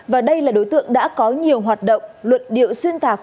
và đây là đối tượng đã có nhiều hoạt động luận điệu xuyên tạc